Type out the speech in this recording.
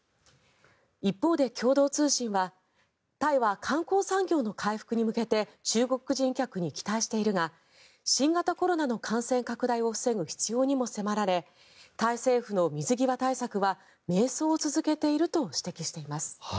一方で、共同通信はタイは観光産業の回復に向けて中国人客に期待しているが新型コロナの感染拡大を防ぐ必要にも迫られタイ政府の水際対策は迷走を続けていると指摘しています。